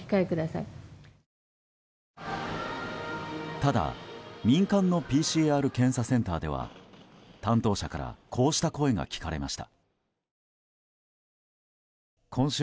ただ、民間のＰＣＲ検査センターでは担当者からこうした声が聞かれました。